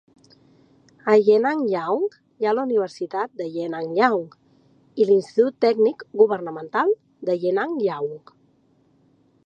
A Yenangyaung hi ha la Universitat de Yenangyaung i l'Institut Tècnic Governamental de Yenangyaung.